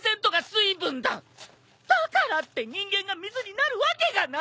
だからって人間が水になるわけがない！